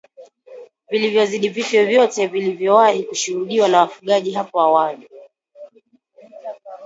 vilivyozidi vifo vyote vilivyowahi kushuhudiwa na wafugaji hapo awali